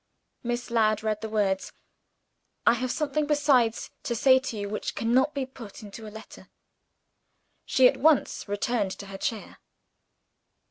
Miss Ladd read the words: "I have something besides to say to you which cannot be put into a letter." She at once returned to her chair.